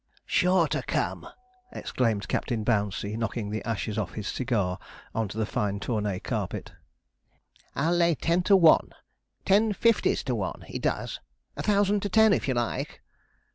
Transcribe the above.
'Sure to come!' exclaimed Captain Bouncey, knocking the ashes off his cigar on to the fine Tournay carpet. 'I'll lay ten to one ten fifties to one he does, a thousand to ten if you like.'